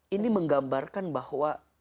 ini menggambarkan bahwa